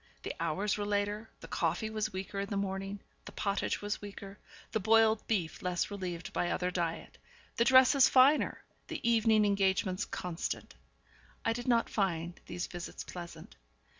The hours were later, the coffee was weaker in the morning, the pottage was weaker, the boiled beef less relieved by other diet, the dresses finer, the evening engagements constant. I did not find these visits pleasant.